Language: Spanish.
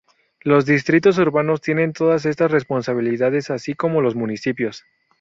Los distritos urbanos tienen todas estas responsabilidades, así como los municipios.